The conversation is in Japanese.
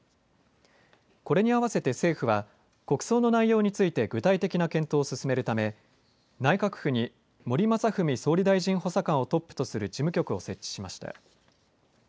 これに合わせて政府は国葬の内容について具体的な検討を進めるため内閣府に森昌文総理大臣補佐官をトップとする事務局を設置しました。